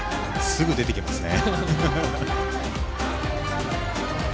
すぐに出てきますね。